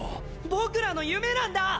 僕らの夢なんだ！